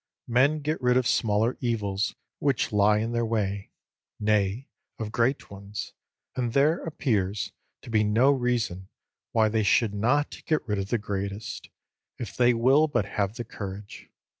Men get rid of smaller evils which lie in their way nay, of great ones; and there appears to be no reason why they should not get rid of the greatest, if they will but have the courage.